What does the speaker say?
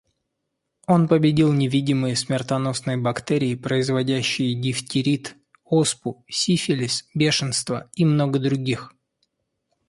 Он победил невидимые смертоносные бактерии, производящие дифтерит, оспу, сифилис, бешенство и много других.